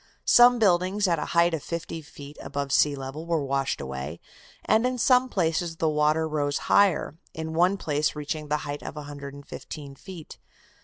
Some buildings at a height of fifty feet above sea level were washed away, and in some places the water rose higher, in one place reaching the height of 115 feet.